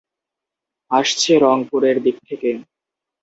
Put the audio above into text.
আসছে রংপুরের দিক থেকে।